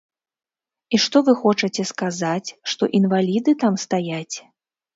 І што вы хочаце сказаць, што інваліды там стаяць?